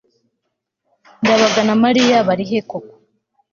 ndabaga na mariya bari he koko